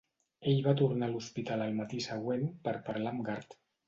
Ell va tornar a l'hospital el matí següent per parlar amb Gart.